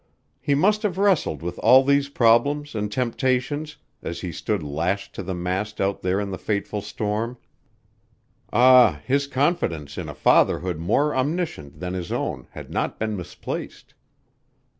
He must have wrestled with all these problems and temptations as he stood lashed to the mast out there in the fateful storm. Ah, his confidence in a fatherhood more omniscient than his own had not been misplaced.